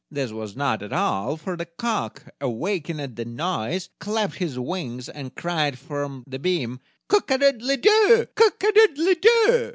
This was not all, for the cock, awaking at the noise, clapped his wings, and cried from the beam: "Cock a doodle doo, cock a doodle do!"